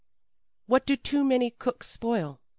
"What do too many cooks spoil?"